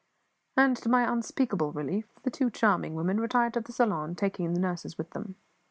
And, to my unspeakable relief, the two charming women retired to the saloon, taking the nurses with them.